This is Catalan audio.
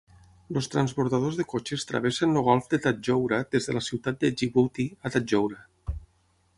Els transbordadors de cotxes travessen el golf de Tadjoura des de la ciutat de Djibouti a Tadjoura.